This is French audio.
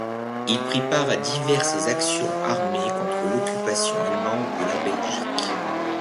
Il prit part à diverses actions armées contre l'occupation allemande de la Belgique.